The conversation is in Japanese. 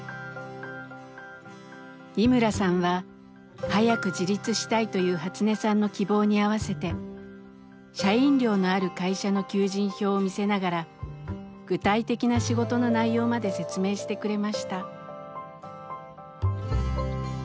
井村さんは早く自立したいというハツネさんの希望に合わせて社員寮のある会社の求人票を見せながら具体的な仕事の内容まで説明してくれました。